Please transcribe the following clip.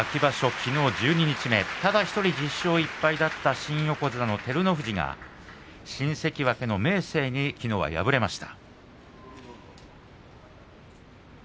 きのう十二日目ただ１人１０勝１敗だった新横綱の照ノ富士が新関脇の明生にきのう敗れました。